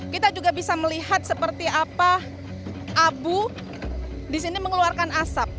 kita juga bisa melihat seperti apa abu di sini mengeluarkan asap